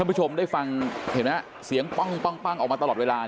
คุณผู้ชมได้ฟังเห็นมั้ยเสียงป้องป้องป้องออกมาตลอดเวลา